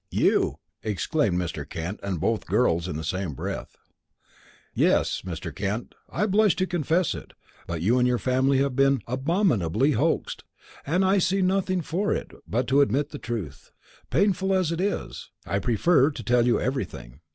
"You!" exclaimed Mr. Kent and both girls in the same breath. "Yes, Mr. Kent. I blush to confess it, but you and your family have been abominably hoaxed, and I can see nothing for it but to admit the truth. Painful as it is, I prefer to tell you everything."